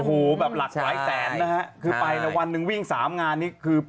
คือไปวันนึงวิ่งสามงาน